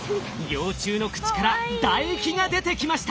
幼虫の口から唾液が出てきました。